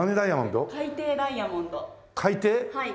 はい。